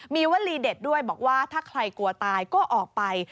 มีวลีเด็ดด้วยบอกว่าถ้าใครกลัวตายก็ออกไป